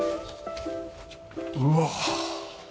うわ。